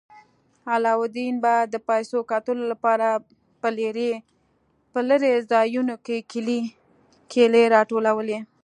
علاوالدین به د پیسو ګټلو لپاره په لیرې ځایونو کې کیلې راټولولې.